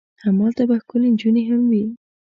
همالته به ښکلې نجونې هم وي.